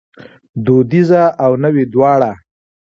دودیزه او نوې دواړه